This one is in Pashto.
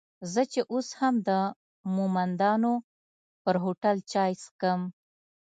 زه چې اوس هم د مومندانو پر هوټل چای څکم.